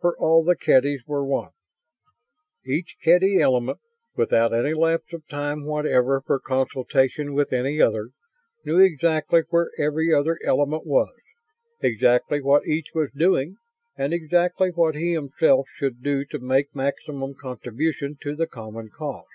For all the Kedys were one. Each Kedy element, without any lapse of time whatever for consultation with any other, knew exactly where every other element was; exactly what each was doing; and exactly what he himself should do to make maximum contribution to the common cause.